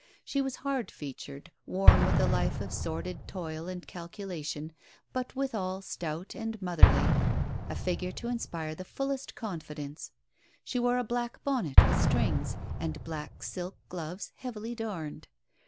She was hard featured, worn with a life of sordid toil and calculation, but withal stout and motherly, a figure to inspire the fullest confidence. She wore a black bonnet with strings, and black silk gloves heavily darned.